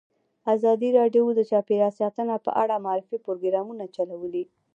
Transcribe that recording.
ازادي راډیو د چاپیریال ساتنه په اړه د معارفې پروګرامونه چلولي.